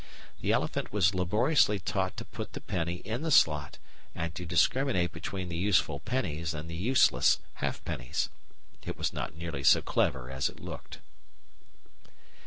The elephant was laboriously taught to put the penny in the slot and to discriminate between the useful pennies and the useless halfpennies. It was not nearly so clever as it looked.